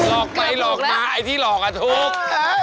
หลอกไหมหรอกนะไอ้ที่หลอกอาทุกค์